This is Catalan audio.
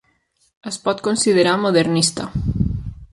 Es pot considerar modernista.